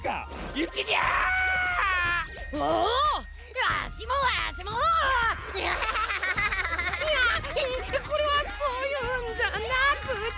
いやこれはそういうんじゃなくて。